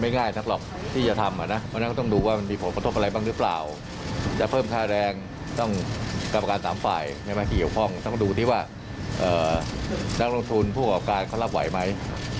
เงินจบป่อตีนี้รายได้๒๕๐๐๐บาทนี่คือประกาศได้ไหม